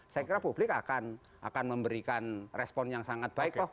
saya kira publik akan memberikan respon yang sangat baik